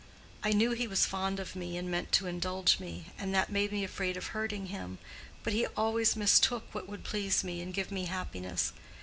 I knew he was fond of me and meant to indulge me, and that made me afraid of hurting him; but he always mistook what would please me and give me happiness.